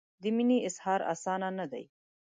د مینې اظهار اسانه نه دی.